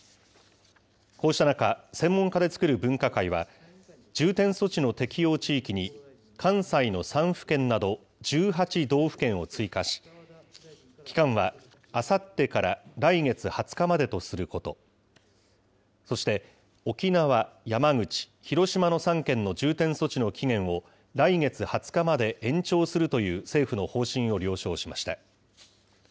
こうした中、専門家で作る分科会は、重点措置の適用地域に、関西の３府県など、１８道府県を追加し、期間はあさってから来月２０日までとすること、そして沖縄、山口、広島の３県の重点措置の期限を、来月２０日まで延長するという政府の方針を了承しました。